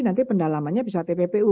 nanti pendalamannya bisa tppu